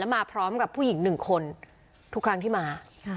แล้วมาพร้อมกับหนึ่งคนทุกครั้งที่มา